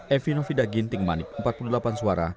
evinovida ginting manip empat puluh delapan suara